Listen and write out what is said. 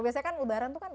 biasanya kan lebaran tuh kan